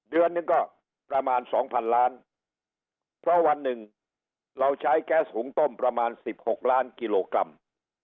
เดือนหนึ่งก็ประมาณสองพันล้านเพราะวันหนึ่งเราใช้แก๊สหุงต้มประมาณ๑๖ล้านกิโลกรัม